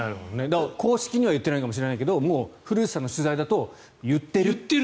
公式には言ってないかもしれないけど古内さんの取材だと言っていると。